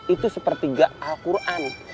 itu seperti al quran